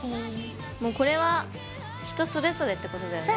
もうこれは人それぞれってことだよね。